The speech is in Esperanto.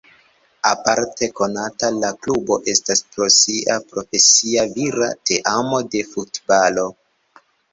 Aparte konata la klubo estas pro sia profesia vira teamo de futbalo.